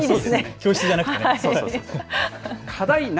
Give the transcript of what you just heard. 教室じゃなくて。